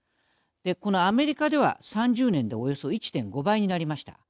このアメリカでは３０年でおよそ１．５倍になりました。